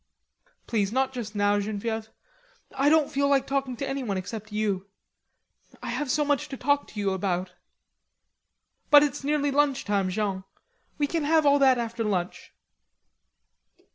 "Please, not just now, Genevieve.... I don't feel like talking to anyone except you. I have so much to talk to you about." "But it's nearly lunch time, Jean. We can have all that after lunch."